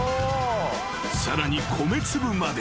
［さらに米粒まで］